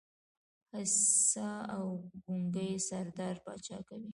خصي او ګونګی سردار پاچا کوي.